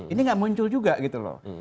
ini nggak muncul juga gitu loh